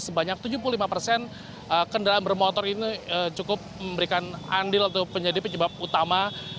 sebanyak tujuh puluh lima persen kendaraan bermotor ini cukup memberikan andil atau penyedih penyebab utama